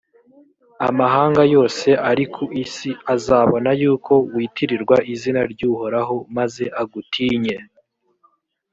amahanga yose ari ku isi azabona yuko witirirwa izina ry’uhoraho, maze agutinye.